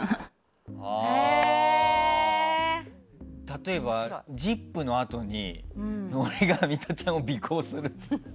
例えば、「ＺＩＰ！」のあとに俺がミトちゃんを尾行する。